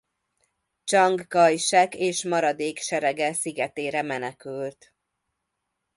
Csang Kaj-sek és maradék serege szigetére menekült.